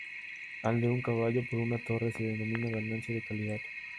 Al de un caballo por una torre se denomina "ganancia de calidad".